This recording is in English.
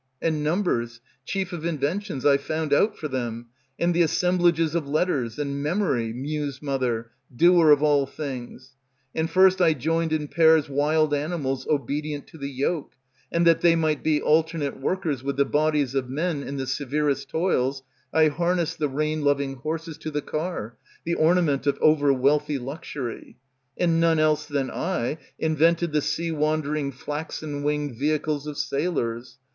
And numbers, chief of inventions, I found out for them, and the assemblages of letters, And memory, Muse mother, doer of all things; And first I joined in pairs wild animals Obedient to the yoke; and that they might be Alternate workers with the bodies of men In the severest toils, I harnessed the rein loving horses To the car, the ornament of over wealthy luxury. And none else than I invented the sea wandering Flaxen winged vehicles of sailors.